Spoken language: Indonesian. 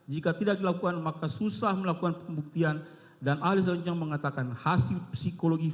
jika tidak dilakukan maka susah melakukan pembuktian dan ahli selanjutnya mengatakan hasil psikologis